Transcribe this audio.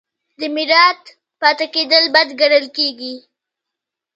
د میرات پاتې کیدل بد ګڼل کیږي.